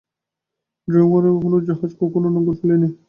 ড্রেগমোরে আর কোন জাহাজ কখনও নোঙর ফেলেনি।